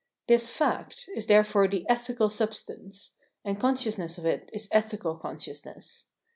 This " fact " is therefore the ethical substance ; and consciousness of it is ethical consciousness.